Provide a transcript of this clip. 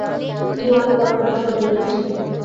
তিনি অনেক পড়ার অভ্যাসটাও ধরে রেখেছিলেন।